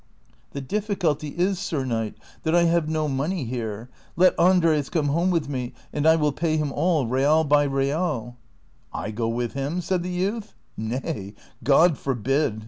" The difficulty is. Sir Knight,^ that I have no money here ; let Andres come home with me, and I will pay him all, real by real." " I go with him !" said the youth. " Nay, God forbid